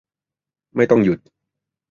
ไม่ต้องหยุด